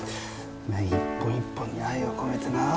麺１本１本に愛を込めてなぁ。